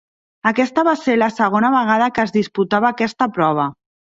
Aquesta va ser la segona vegada que es disputava aquesta prova.